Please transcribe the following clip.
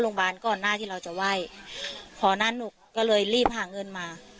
ก่อนหน้าที่เราจะไหว้พอหน้าหนูก็เลยรีบหาเงินมา